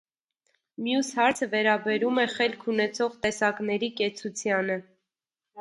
Մյուս հարցը վերաբերում է «խելք» ունեցող տեսակների կեցությանը։